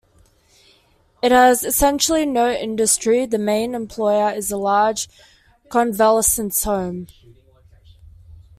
It has essentially no industry, the main employer is a large convalescence home.